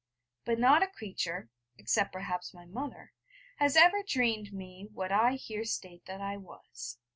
But not a creature, except perhaps my mother, has ever dreamed me what I here state that I was.